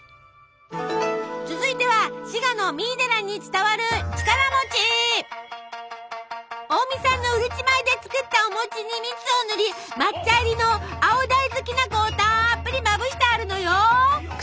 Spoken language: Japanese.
続いては滋賀の三井寺に伝わる近江産のうるち米で作ったお餅に蜜をぬり抹茶入りの青大豆きな粉をたっぷりまぶしてあるのよ。